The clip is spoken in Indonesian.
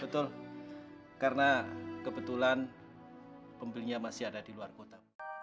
betul karena kebetulan pembelinya masih ada di luar kota